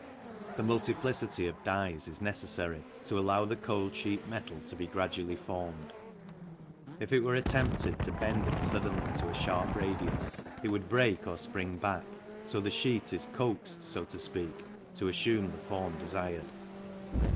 The multiplicity of dies is necessary to allow the cold sheet metal to be gradually formed ; if it were attempted to bend it suddenly to a sharp radius, it would break or spring back, so the sheet is coaxed, so to speak, to assume the form desired.